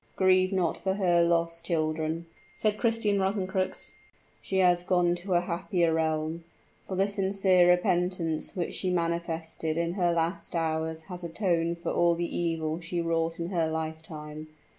"Grieve not for her loss, children," said Christian Rosencrux; "she has gone to a happier realm for the sincere repentance which she manifested in her last hours has atoned for all the evil she wrought in her lifetime.